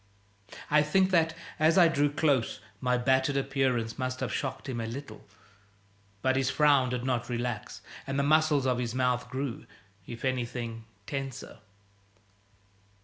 I think that, as I drew close, my battered appearance must have shocked him a little. But his frown did not relax, and the muscles of his mouth grew, if anything, tenser.